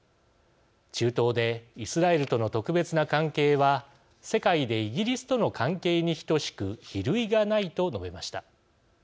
中東でイスラエルとの特別な関係は世界でイギリスとの関係に等しく比類がないと述べました。